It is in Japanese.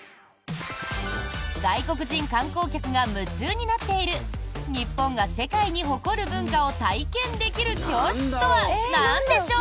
外国人観光客が夢中になっている日本が世界に誇る文化を体験できる教室とはなんでしょう？